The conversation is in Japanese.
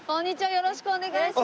よろしくお願いします。